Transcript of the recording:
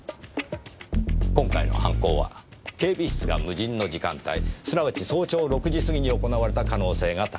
今回の犯行は警備室が無人の時間帯すなわち早朝６時過ぎに行われた可能性が高い。